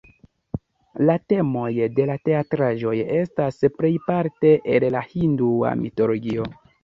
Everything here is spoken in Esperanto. La temoj de la teatraĵoj estas plejparte el la hindua mitologio.